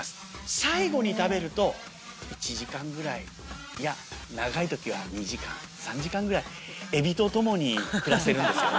最後に食べると、１時間ぐらい、いや、長いときは２時間、３時間ぐらい、エビとともに暮らせるんですけどね。